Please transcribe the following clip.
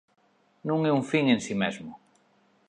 Non é un fin en si mesmo.